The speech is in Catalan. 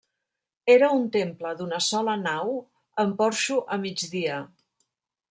Era un temple d'una sola nau, amb porxo a migdia.